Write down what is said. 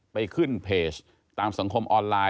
ไปขึ้นเพจตามสังคมออนไลน์